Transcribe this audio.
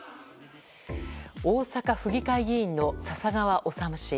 大阪府議会議員の笹川理氏。